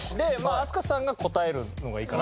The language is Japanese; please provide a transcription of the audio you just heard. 飛鳥さんが答えるのがいいかな。